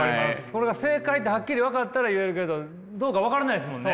それが正解ってハッキリ分かったら言えるけどどうか分からないですもんね。